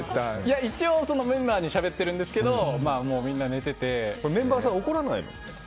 一応メンバーにしゃべってるんですけどメンバーさん怒らないの？